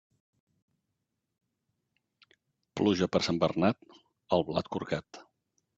Pluja per Sant Bernat, el blat corcat.